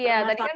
iya tadi kan